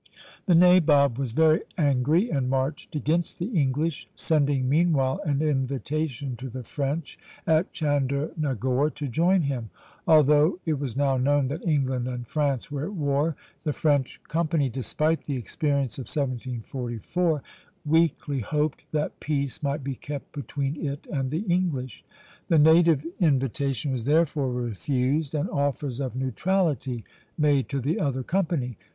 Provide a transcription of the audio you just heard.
The nabob was very angry, and marched against the English; sending meanwhile an invitation to the French at Chandernagore to join him. Although it was now known that England and France were at war, the French company, despite the experience of 1744, weakly hoped that peace might be kept between it and the English. The native invitation was therefore refused, and offers of neutrality made to the other company.